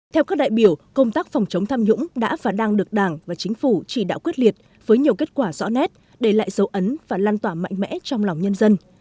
theo các đại biểu công tác phòng chống tham nhũng đã và đang được đảng và chính phủ chỉ đạo quyết liệt với nhiều kết quả rõ nét để lại dấu ấn và lan tỏa mạnh mẽ trong lòng nhân dân